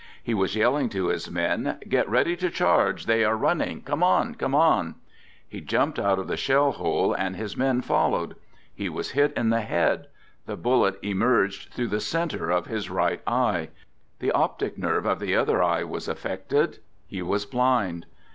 He was yelling to his men: " Get ready to charge, they are running. Come on ! Come on !" He jumped out of the shell hole, and his men followed. He was hit in the head. The bullet emerged through the center of his right eye. The optic nerve of the other eye was affected. He was blind.